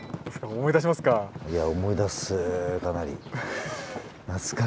思い出しますか？